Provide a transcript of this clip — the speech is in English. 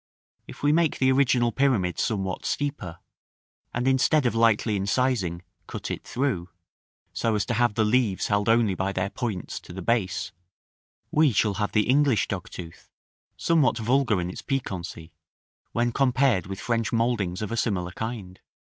If we make the original pyramid somewhat steeper, and instead of lightly incising, cut it through, so as to have the leaves held only by their points to the base, we shall have the English dogtooth; somewhat vulgar in its piquancy, when compared with French mouldings of a similar kind.